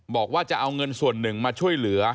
บอกว่าจะเอาเงินส่วนหนึ่งมาช่วยเหลือ